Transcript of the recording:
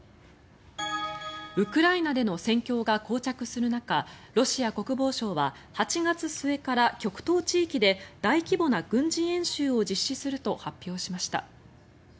ウクライナでの戦況がこう着する中ロシア国防省は８月末から極東地域で大規模な軍事演習を実施すると発表しました。